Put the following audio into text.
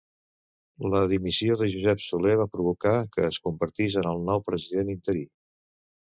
La dimissió de Josep Soler va provocar que es convertís en el nou president interí.